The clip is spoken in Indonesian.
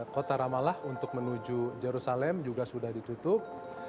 kota ramalah untuk menuju jerusalem juga sudah ditutup